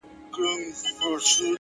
• ستا د موسکا, ستا د ګلونو د ګېډیو وطن,